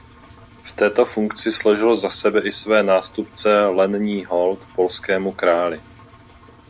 V této funkci složil za sebe i své nástupce lenní hold polskému králi.